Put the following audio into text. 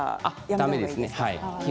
だめですね。